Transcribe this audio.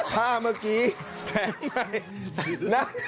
ผ้าเมื่อกี้แผลใหม่